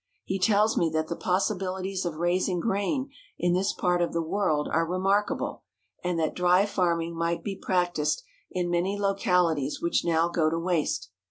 He tells me that the possibilities of raising grain in this part of the world are remarkable, and that dry farming might be practised in many localities which now go to waste.